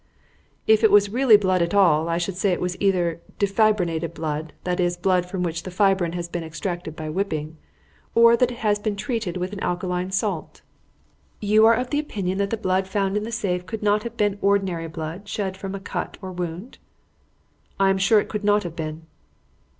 "If it was really blood at all, I should say that it was either defibrinated blood that is, blood from which the fibrin has been extracted by whipping or that it had been treated with an alkaline salt." "You are of opinion that the blood found in the safe could not have been ordinary blood shed from a cut or wound?" "I am sure it could not have been."